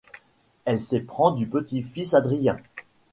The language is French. Elle s'éprend du petit-fils Adrien.